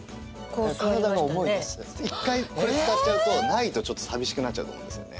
一回これ使っちゃうとないと寂しくなっちゃうと思うんですよね。